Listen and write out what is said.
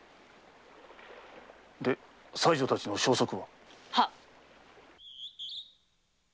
で妻女たちの消息は？はっ！